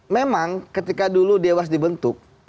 memang ketika dulu dewas dibentuk